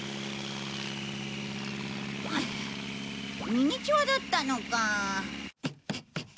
ミニチュアだったのか。